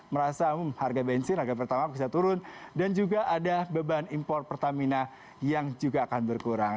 merasa harga bensin harga pertama bisa turun dan juga ada beban impor pertamina yang juga akan berkurang